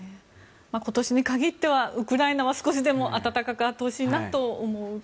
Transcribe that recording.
今年に限ってはウクライナは少しでも暖かくあってほしいなと思います。